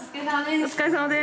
お疲れさまです。